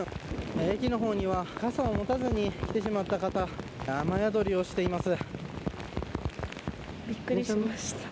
駅の方には傘を持たずに来てしまった方雨宿りをしています。